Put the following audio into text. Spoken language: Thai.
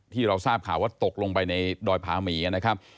ที่เราทราบข่าวว่าตกลงไปในดอยผาหมีนะครับ